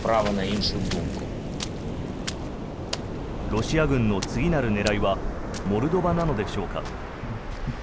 ロシア軍の次なる狙いはモルドバなのでしょうか。